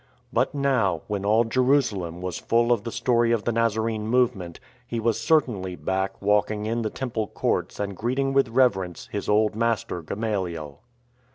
But now, when all Jeru salem was full of the story of the Nazarene movement, he was certainly back walking in the Temple courts and greeting with reverence his old master Gamaliel.